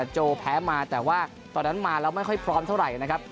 โจแพ้มาแต่ว่าตอนนั้นมาแล้วไม่ค่อยพร้อมเท่าไหร่นะครับ